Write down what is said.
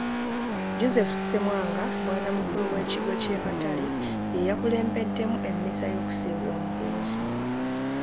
Joseph Ssemwanga bwannamukulu w’ekigo ky’e Matale ye yakulembeddemu emmisa y’okusiibula omugenzi.